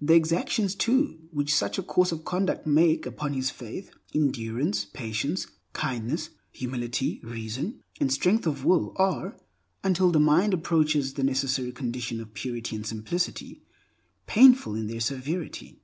The exactions, too, which such a course of conduct make upon his faith, endurance, patience, kindness, humility, reason, and strength of will, are, until the mind approaches the necessary condition of purity and simplicity, painful in their severity.